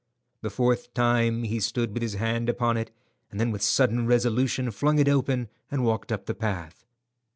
The fourth time he stood with his hand upon it, and then with sudden resolution flung it open and walked up the path.